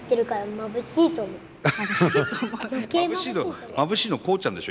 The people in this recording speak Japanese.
まぶしいのコウちゃんでしょ？